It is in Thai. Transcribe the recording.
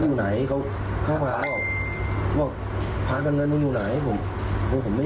ลูกผมน้องให้ล่ะ